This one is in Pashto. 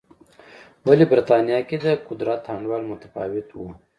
ولې د برېټانیا کې د قدرت انډول متفاوت و.